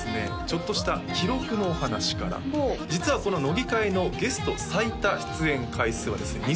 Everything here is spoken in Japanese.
ちょっとした記録のお話から実はこの乃木回のゲスト最多出演回数はですね